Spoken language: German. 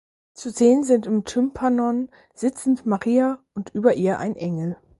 Zu sehen sind im Tympanon sitzend Maria und über ihr ein Engel.